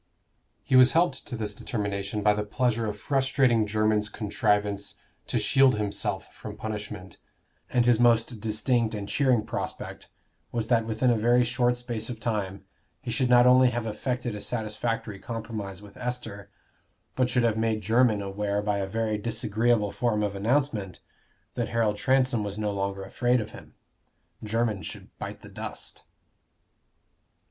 He was helped to this determination by the pleasure of frustrating Jermyn's contrivance to shield himself from punishment, and his most distinct and cheering prospect was that within a very short space of time he should not only have effected a satisfactory compromise with Esther, but should have made Jermyn aware by a very disagreeable form of announcement, that Harold Transome was no longer afraid of him. Jermyn should bite the dust.